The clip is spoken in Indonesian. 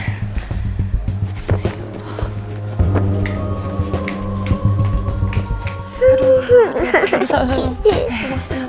aduh aduh aduh